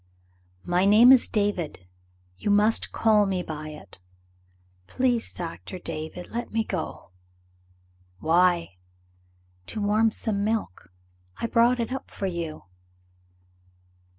"My name is David. You must call me by it." "Please, Doctor David, let me go." "Why?" "To warm some milk. I brought it up for you."